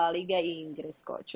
liga inggris coach